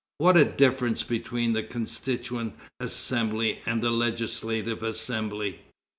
What a difference between the Constituent Assembly and the Legislative Assembly!